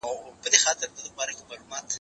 زه به کاغذ ترتيب کړي وي؟!